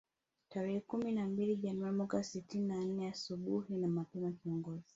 Tarehe kumi na mbili Januari mwaka sitini na nne asubuhi na mapema kiongozi